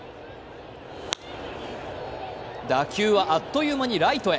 打球はあっという間にライトへ。